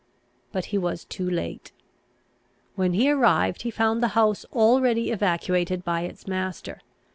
But he was too late. When he arrived, he found the house already evacuated by its master.